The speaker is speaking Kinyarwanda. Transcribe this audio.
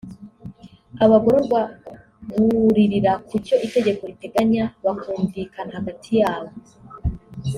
Abagororwa buririra ku cyo itegeko riteganya bakumvikana hagati yabo